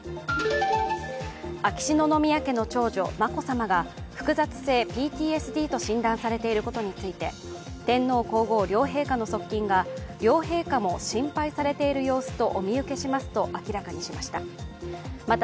秋篠宮家の長女、眞子さまが複雑性ＰＴＳＤと診断されていることについて、天皇皇后両陛下の側近が両陛下も心配されている様子とお見受けしますと明らかにしました。